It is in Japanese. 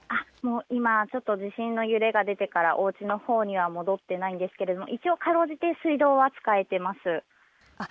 今ちょっと地震の揺れが出てからおうちのほうには戻ってないんですがかろうじて水道は使えています。